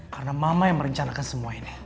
karena mama yang merencanakan semua ini